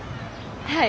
はい。